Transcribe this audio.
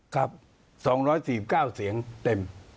๒๔๙เสียงเต็ม